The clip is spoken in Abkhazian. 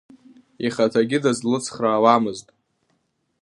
Ихаҭагьы дызлыцхраауамызт.